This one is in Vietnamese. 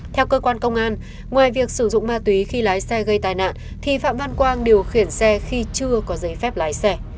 theo cơ quan công an ngoài việc sử dụng ma túy khi lái xe gây tai nạn thì phạm văn quang điều khiển xe khi chưa có giấy phép lái xe